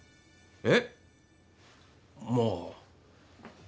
えっまぁ。